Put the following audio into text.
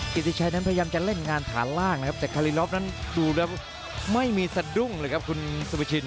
ติชัยนั้นพยายามจะเล่นงานฐานล่างนะครับแต่คารีลอฟนั้นดูแล้วไม่มีสะดุ้งเลยครับคุณสุภาชิน